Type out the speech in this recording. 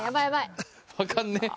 分かんねえ。